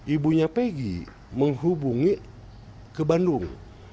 ibunya pegi menghubungi ke bandung